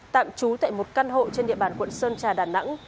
tạm trú tại một căn hộ trên địa bàn quận sơn trà đà nẵng